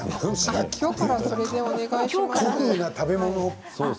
きょうからそれでお願いします。